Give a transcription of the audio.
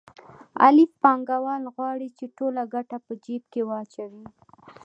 الف پانګوال غواړي چې ټوله ګټه په جېب کې واچوي